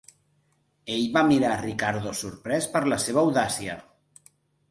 Ell va mirar a Ricardo sorprès per la seva audàcia.